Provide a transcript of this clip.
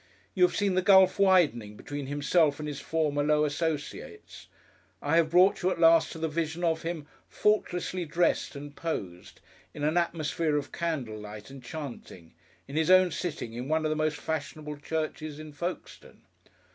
You have seen the gulf widening between himself and his former low associates. I have brought you at last to the vision of him, faultlessly dressed and posed, in an atmosphere of candlelight and chanting, in his own sitting in one of the most fashionable churches in Folkestone....